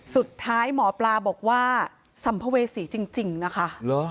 สุดท้ายหมอปลาบอกว่าสัมภเวษีจริงนะคะ